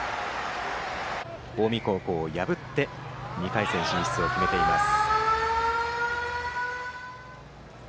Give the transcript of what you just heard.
近江高校を破って２回戦進出を決めています。